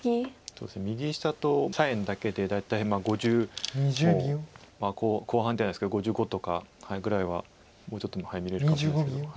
そうですね右下と左辺だけで大体５０後半ではないですけど５５とかぐらいはもうちょっと見れるかもしれないですけど。